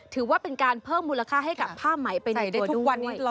ถือว่าเป็นการเพิ่มมูลค่าให้กับผ้าไหมไปด้วย